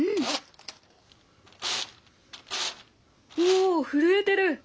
お震えてる！